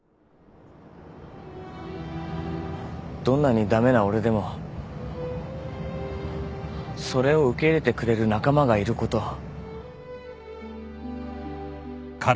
どんなに駄目な俺でもそれを受け入れてくれる仲間がいること。